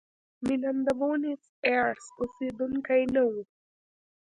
مینم د بونیس ایرس اوسېدونکی نه و.